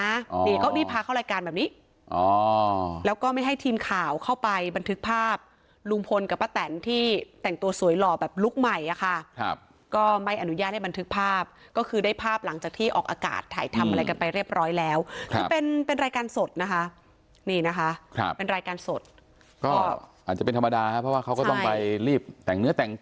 ก็ไม่ได้มีทีมข่าวของเราว่ายังไม่ให้สัมภาษณ์เพราะว่าทางรายการขอร้องทีมข่าวของเราว่ายังไม่ให้สัมภาษณ์เพราะว่าทางรายการขอร้องทีมข่าวของเราว่ายังไม่ให้สัมภาษณ์เพราะว่าทางรายการขอร้องทีมข่าวของเราว่ายังไม่ให้สัมภาษณ์เพราะว่าทางรายการขอร้องทีมขอร้องทีมขอร้องทีมขอร้องท